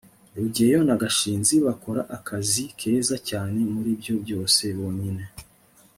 rugeyo na gashinzi bakora akazi keza cyane muribyo byose bonyine